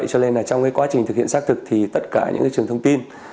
chính vì vậy cho nên là trong quá trình thực hiện xác thực thì tất cả những trường thông tin